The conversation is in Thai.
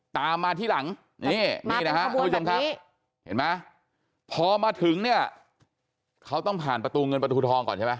ตามมาที่หลังนี่นี่นะฮะเห็นไหมพอมาถึงเนี้ยเขาต้องผ่านประตูเงินประตูทองก่อนใช่ไหม